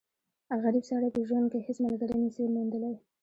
غریب سړی په ژوند کښي هيڅ ملګری نه سي موندلای.